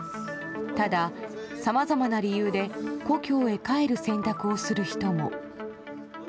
ただ、さまざまな理由で故郷に帰る選択をする人も。